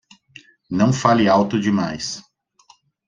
Não fale alto demais.